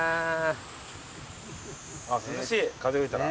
あっ涼しい風吹いたら。